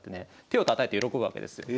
手をたたいて喜ぶわけですよ。